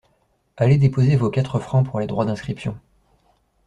Allez déposer vos quatre francs pour les droits d’inscription.